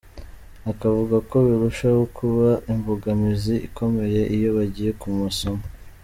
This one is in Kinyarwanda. Akavuga ko birushaho kuba imbogamizi ikomeye iyo bagiye ku masomo.